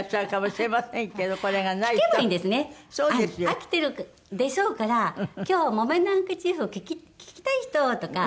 「飽きてるでしょうから今日『木綿のハンカチーフ』を聴きたい人？」とか。